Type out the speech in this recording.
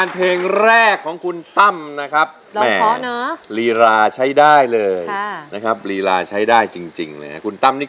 เธอมานายดีใจผิด